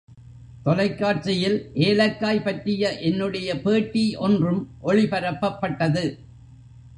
தொலைக் காட்சியில் ஏலக்காய் பற்றிய என்னுடைய பேட்டி ஒன்றும் ஒளிபரப்பப்பட்டது.